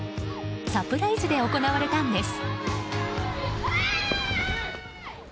サプライズで行われたんです。